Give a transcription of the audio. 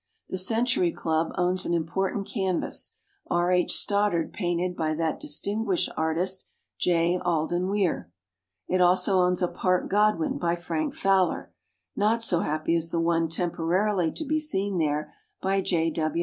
The Century Club owns an important canvas, R. H. Stoddard painted by that distinguished artist J. Alden Weir. It also owns a Parke Godwin by Frank Fowler not so happy as the one tem porarily to be seen there by J. W.